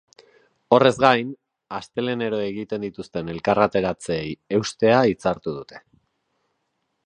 Horrez gain, astelehenero egiten dituzten elkarretaratzeei eustea hitzartu dute.